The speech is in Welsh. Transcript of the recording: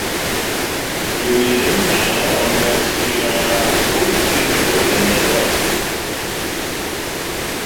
Dyw hi ddim yno ond ers tua wyth deg o flynyddoedd.